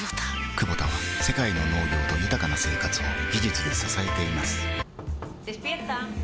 クボタは世界の農業と豊かな生活を技術で支えています起きて。